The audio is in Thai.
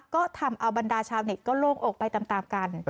ก็ทำเอาบรรดาชาวเน็ตก็โล่งอกไปตามกัน